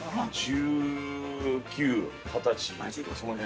１９、二十歳、その辺。